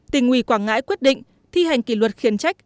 tỉnh ủy quảng ngãi quyết định thi hành kỷ luật khiển trách